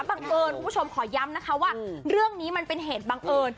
บังเอิญคุณผู้ชมขอย้ำนะคะว่าเรื่องนี้มันเป็นเหตุบังเอิญ